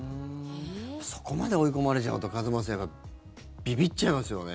そこまで追い込まれちゃうと勝俣さん、やっぱりびびっちゃいますよね。